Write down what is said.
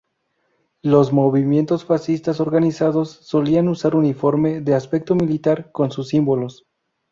Los movimientos fascistas organizados solían usar uniformes de aspecto militar con sus símbolos.